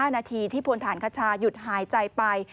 นาทีที่พลฐานคชาหยุดหายใจไป